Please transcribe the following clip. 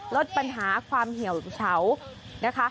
ลดปัญหาความเหี่ยวเฉานะคะ